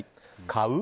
買う？